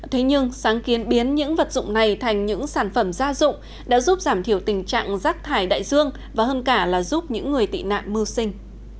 thế nhưng sáng kiến biến những vật dụng này thành những sản phẩm gia dụng đã giúp giảm thiểu tình trạng rác thải đại dương và hơn cả là giúp những người tị nạn mưu sinh